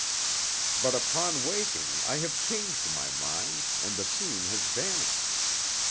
But upon waking I have changed my mind, and the scene has vanished.